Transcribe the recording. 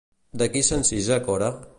De qui s'encisa Cora?